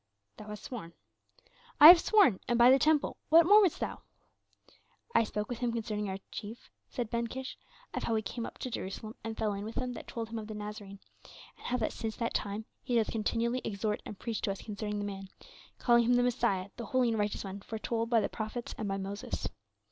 "Thou hast sworn?" "I have sworn and by the temple; what more wouldst thou?" "I spoke with him concerning our chief," said Ben Kish, "of how he came up to Jerusalem and fell in with them that told him of the Nazarene, and how that since that time he doth continually exhort and preach to us concerning the man, calling him the Messiah, the Holy and Righteous One foretold by the prophets and by Moses.